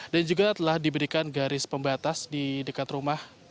dan juga telah diberikan garis pembatas di dekat rumah